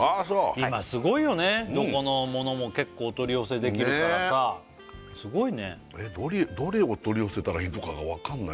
今すごいよねどこのものも結構お取り寄せできるからさすごいねどれを取り寄せたらいいのかが分かんない